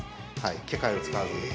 機械を使わず。